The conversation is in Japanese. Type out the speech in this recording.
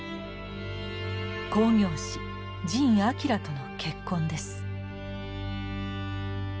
興行師神彰との結婚です。